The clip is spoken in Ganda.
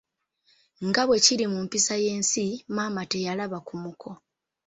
Nga bwe kiri mu mpisa y'ensi, maama teyalaba ku muko.